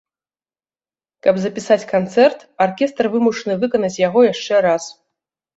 Каб запісаць канцэрт, аркестр вымушаны выканаць яго яшчэ раз.